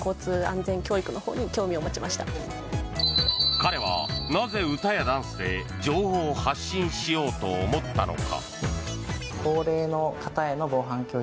彼は、なぜ歌やダンスで情報を発信しようと思ったのか。